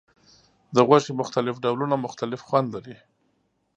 د غوښې مختلف ډولونه مختلف خوند لري.